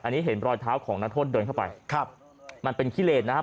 อันนี้เห็นรอยเท้าของนักโทษเดินเข้าไปครับมันเป็นขี้เลนนะครับ